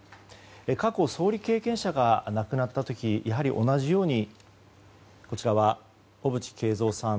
過去総理経験者が亡くなった時やはり同じようにこちらは小渕恵三さん